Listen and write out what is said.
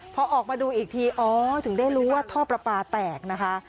พอออกมาดูอีกทีอ๋อถึงได้รู้ว่าท่อประปาแตกนะคะ